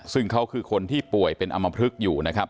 ซึ่งเขาคือคนที่ป่วยเป็นอำมพลึกอยู่นะครับ